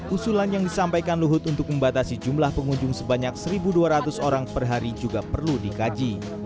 usulan yang disampaikan luhut untuk membatasi jumlah pengunjung sebanyak satu dua ratus orang per hari juga perlu dikaji